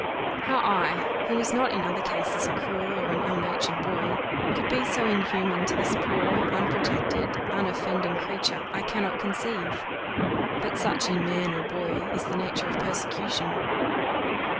How I, who was not in other cases a cruel or an ill natured boy, could be so inhuman to this poor, unprotected, unoffending creature I cannot conceive; but such in man or boy is the nature of persecution.